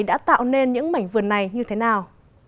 đã tạo nên những mảnh vườn này như thế nào